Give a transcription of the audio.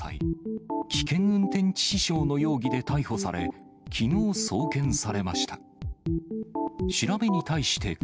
危険運転致死傷の容疑で逮捕され、きのう送検されました。